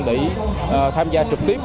để tham gia trực tiếp